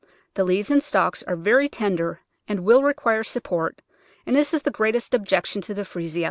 The leaves and stalks are very tender, and will re quire support, and this is the greatest objection to the Freesia.